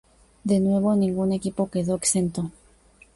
De nuevo ningún equipo quedó exento.